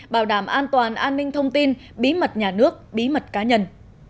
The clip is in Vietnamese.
bảo đảm an toàn an ninh thông tin bí mật nhà nước bí mật cá nhân